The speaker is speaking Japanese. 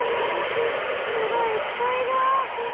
人がいっぱいだ！